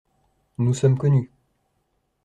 Nous sommes connus.